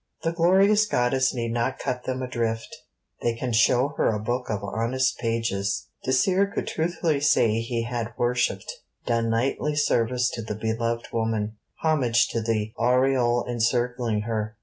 The glorious Goddess need not cut them adrift; they can show her a book of honest pages. Dacier could truthfully say he had worshipped, done knightly service to the beloved woman, homage to the aureole encircling her.